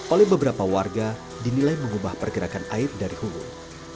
oleh beberapa warga dinilai mengubah pergerakan air dari hulu